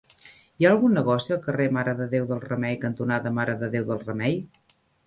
Hi ha algun negoci al carrer Mare de Déu del Remei cantonada Mare de Déu del Remei?